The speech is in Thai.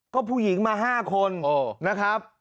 ก็ผู้หญิงมา๕คนนะครับ